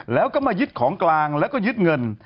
แล้วก็มายึดของกลางแล้วก็ยึดเงิน